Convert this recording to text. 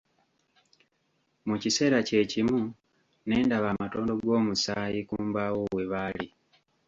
Mu kiseera kye kimu ne ndaba amatondo g'omusaayi ku mbaawo we baali